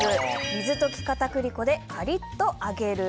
水溶き片栗粉でカリッと揚げる。